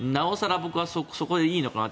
僕はそこでいいのかなと。